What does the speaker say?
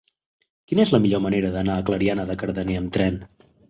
Quina és la millor manera d'anar a Clariana de Cardener amb tren?